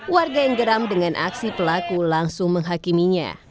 warga yang geram dengan aksi pelaku langsung menghakiminya